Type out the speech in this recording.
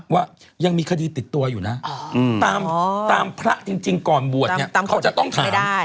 ว่ายังมีคดีติดตัวอยู่นะตามพระจริงก่อนบวชเนี่ยเขาจะต้องทำ